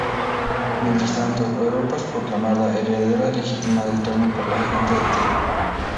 Mientras tanto, Europa es proclamada heredera legítima del trono por la gente de Tiro.